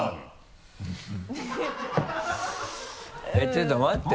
ちょっと待って。